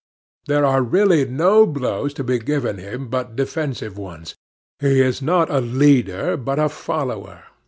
There are really no blows to be given by him but defensive ones. He is not a leader, but a follower.